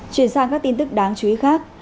chuyển sang các tin tức đáng chú ý khác